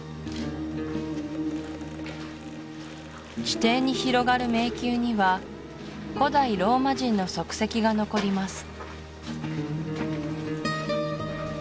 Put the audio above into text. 地底に広がる迷宮には古代ローマ人の足跡が残ります